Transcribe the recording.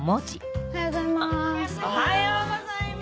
おはようございます！